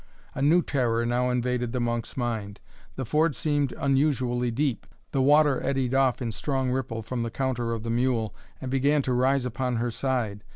A new terror now invaded the monk's mind the ford seemed unusually deep, the water eddied off in strong ripple from the counter of the mule, and began to rise upon her side.